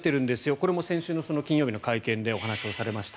これも先週の金曜日の会見でお話をされました。